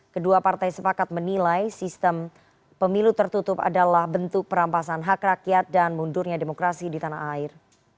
kedua partai sepakat menilai sistem pemilu tertutup adalah bentuk perampasan hak rakyat dan mundurnya demokrasi di tanah air